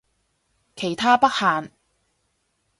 其他不限